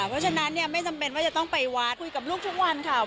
เพราะฉะนั้นเนี่ยไม่จำเป็นว่าจะต้องไปวัดคุยกับลูกทุกวันค่ะ